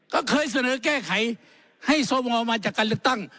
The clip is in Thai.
ก็เคยเสนอแก้ไขให้สวมาจากการเลือกตั้ง